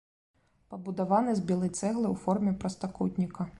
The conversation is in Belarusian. Пабудаваны з белай цэглы ў форме прастакутніка.